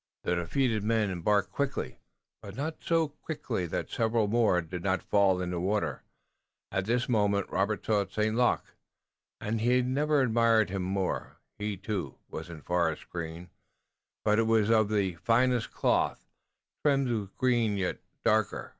The defeated men embarked quickly, but not so quickly that several more did not fall in the water. At this moment Robert saw St. Luc, and he never admired him more. He, too, was in forest green, but it was of the finest cloth, trimmed with green yet darker.